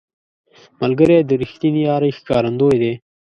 ملګری د رښتینې یارۍ ښکارندوی دی